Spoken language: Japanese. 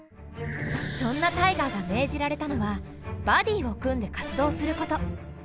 そんなタイガーが命じられたのはバディを組んで活動すること。